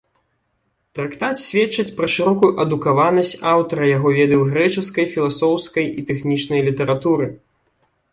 Трактат сведчыць пра шырокую адукаванасць аўтара, яго веды ў грэчаскай філасофскай і тэхнічнай літаратуры.